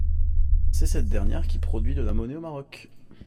C'est cette dernière qui produit de la monnaie au Maroc.